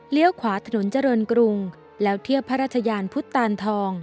เลี้ยวขวาถนนจรณกรุงแล้วเที่ยวพระราชญานพุทธตานทอง